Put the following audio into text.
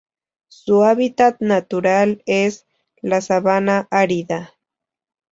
Su hábitat natural es:la sabana árida.